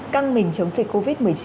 căng mình chống dịch covid một mươi chín